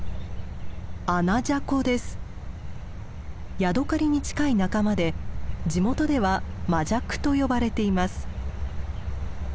ヤドカリに近い仲間で地元ではマジャクと呼ばれています。